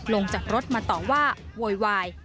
ลงจากรถมาต่อว่าโวยวาย